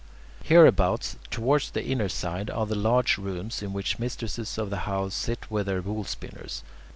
Hereabouts, towards the inner side, are the large rooms in which mistresses of houses sit with their wool spinners.